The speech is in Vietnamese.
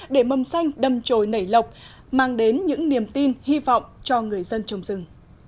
để mâm xanh đâm trồi nảy lọc mang đến những niềm tin hy vọng cho người dân trồng rừng